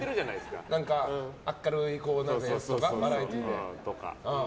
何か明るいのとかバラエティーで。